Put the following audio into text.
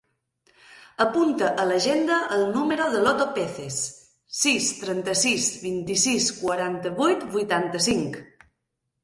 Apunta a l'agenda el número de l'Oto Peces: sis, trenta-sis, vint-i-sis, quaranta-vuit, vuitanta-cinc.